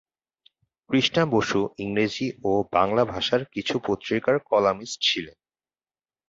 কৃষ্ণা বসু ইংরেজি ও বাংলা ভাষার কিছু পত্রিকার কলামিস্ট ছিলেন।